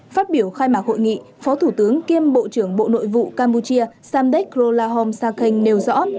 phát biểu khai mạc hội nghị phó thủ tướng kiêm bộ trưởng bộ nội vụ campuchia samdech krolahom sakeng nêu rõ